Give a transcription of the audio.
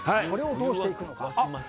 これをどうしていくのか。